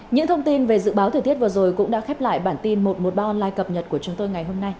những thông tin về dự báo thời tiết vừa rồi cũng đã khép lại bản tin một trăm một mươi ba online cập nhật của chúng tôi ngày hôm nay